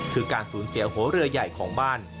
คือการสูญเสียหัวเรือใหญ่ของบ้าน